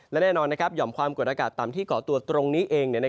และแน่นอนหย่อมความกดอากาศต่ำที่เกาะตัวตรงนี้เอง